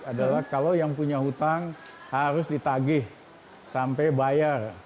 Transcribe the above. adalah kalau yang punya hutang harus ditagih sampai bayar